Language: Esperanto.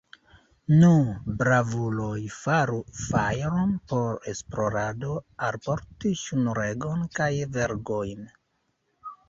Nu, bravuloj, faru fajron por esplorado, alportu ŝnuregon kaj vergojn!